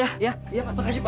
iya pak terima kasih pak